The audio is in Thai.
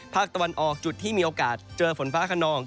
ภาคตะวันออกจุดที่มีโอกาสเจอฝนฟ้าขนอง